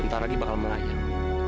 ntar lagi bakal melayang